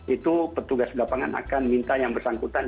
itu petugas lapangan akan minta yang bersangkutan